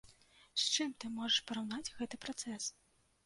З чым ты можаш параўнаць гэты працэс?